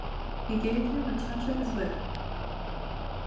He gave him a touch of his whip.